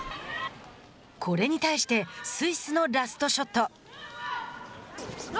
これに対してスイスのラストショット。